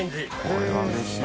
これはうれしいな。